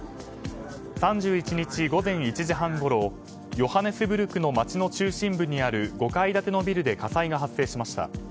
３１日、午前１時半ごろヨハネスブルクの街の中心部にある５階建てのビルで火災が発生しました。